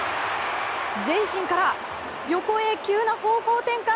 前進から横へ急な方向転換。